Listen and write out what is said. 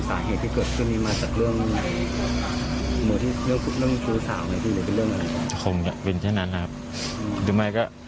แต่ทางเรายืนยันไม่มี